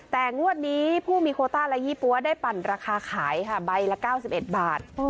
แต่งวดนี้ผู้มีโคต้าและยี่ปั๊วได้ปั่นราคาขายค่ะใบละ๙๑บาท